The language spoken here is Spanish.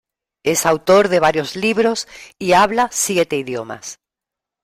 Es autor de varios libros y habla siete idiomas.